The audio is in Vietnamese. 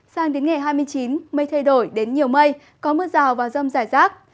sang đến ngày hai mươi chín mây thay đổi đến nhiều mây có mưa rào và rông rải rác